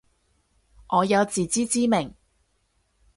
我有自知之明